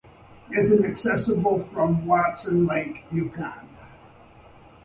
It is accessible from Watson Lake, Yukon.